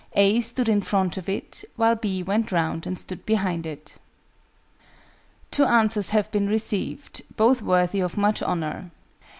A stood in front of it, while B went round and stood behind it. Two answers have been received, both worthy of much honour.